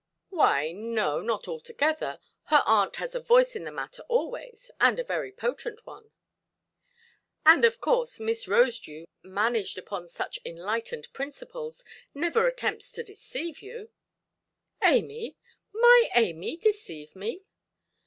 "Why, no, not altogether. Her aunt has a voice in the matter always, and a very potent one". "And, of course, Miss Rosedew, managed upon such enlightened principles, never attempts to deceive you"? "Amy! my Amy deceive me"!